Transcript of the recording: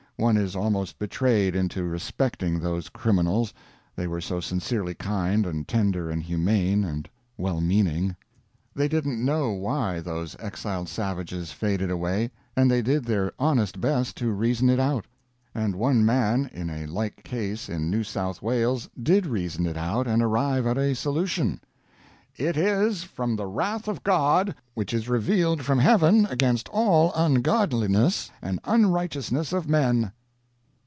One is almost betrayed into respecting those criminals, they were so sincerely kind, and tender, and humane; and well meaning. They didn't know why those exiled savages faded away, and they did their honest best to reason it out. And one man, in a like case in New South Wales, did reason it out and arrive at a solution: "It is from the wrath of God, which is revealed from heaven against cold ungodliness and unrighteousness of men."